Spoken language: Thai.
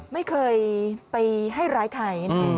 ไม่เคยไปให้ร้ายใคร